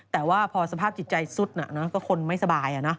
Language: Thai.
แต่ว่าพอสภาพจิตใจสุดก็คนไม่สบาย